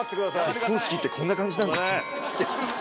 結婚式ってこんな感じなんだろう。